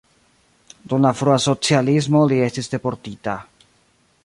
Dum la frua socialismo li estis deportita.